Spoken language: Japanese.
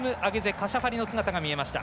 カシャファリの姿が見えました。